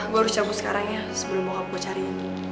gue harus cabut sekarang ya sebelum bokap gue cariin